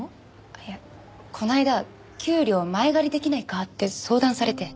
いやこの間給料前借りできないかって相談されて。